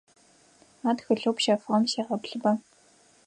А тхылъэу пщэфыгъэм сегъэплъыба.